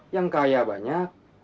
yang kaya banyak